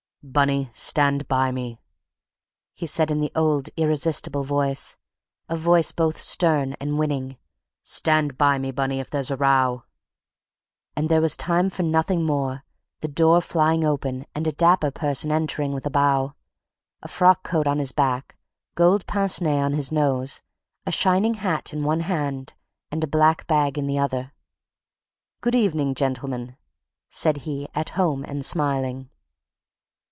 "Bunny, stand by me," said he in the old irresistible voice, a voice both stern and winning. "Stand by me, Bunny—if there's a row!" And there was time for nothing more, the door flying open, and a dapper person entering with a bow; a frock coat on his back, gold pince nez on his nose; a shiny hat in one hand, and a black bag in the other. "Good evening, gentlemen," said he, at home and smiling.